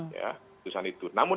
khususan itu namun